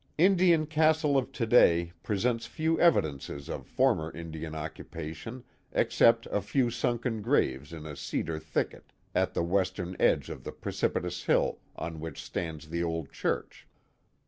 Indian Castle of to day presents few evidences of former Indian occupation except a few sunken graves in a cedar thicket at the western edge of the precipitous hill on which stands the old church.